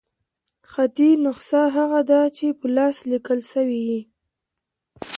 خطي نسخه هغه ده، چي په لاس ليکل سوې يي.